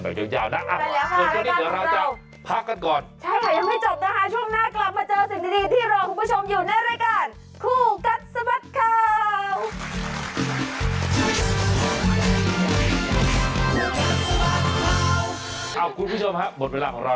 อ่ะเดี๋ยวนี้เหลือเราจะพักกันก่อนนะครับคุณผู้ชมค่ะสำหรับเรา